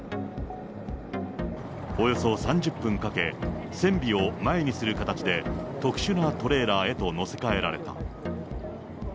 およそ３０分かけ、船尾を前にする形で、特殊なトレーラーへと載せ替えられた。